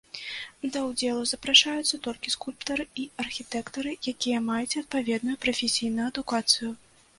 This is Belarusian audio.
Да ўдзелу запрашаюцца толькі скульптары і архітэктары, якія маюць адпаведную прафесійную адукацыю.